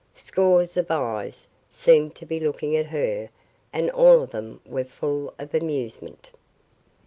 Scores of eyes seemed to be looking at her and all of them were full of amusement.